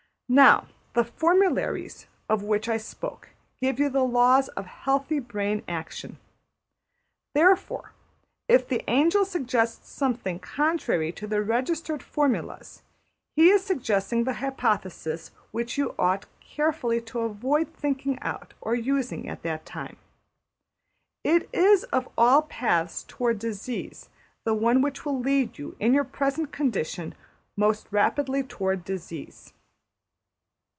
Now the formularies of which I spoke give you the laws of healthy brain action. Therefore, if the angel suggests something contrary to the registered formulas, he is suggesting the hypothesis which you ought carefully to avoid thinking out or using at that time. It is of all paths towards disease the one which will lead you, in your present condition, most rapidly towards disease.